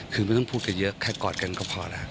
คือไม่ต้องพูดกันเยอะแค่กอดกันก็พอแล้ว